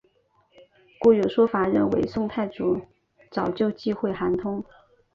故有说法认为宋太祖早就忌讳韩通。